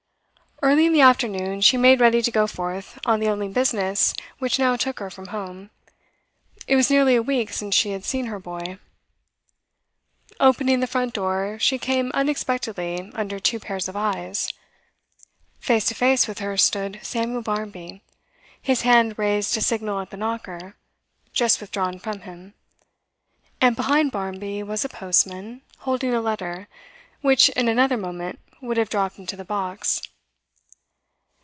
Early in the afternoon she made ready to go forth on the only business which now took her from home. It was nearly a week since she had seen her boy. Opening the front door, she came unexpectedly under two pairs of eyes. Face to face with her stood Samuel Barmby, his hand raised to signal at the knocker, just withdrawn from him. And behind Barmby was a postman, holding a letter, which in another moment would have dropped into the box.